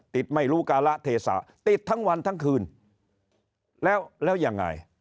ไม่รู้การะเทศะติดทั้งวันทั้งคืนแล้วแล้วยังไง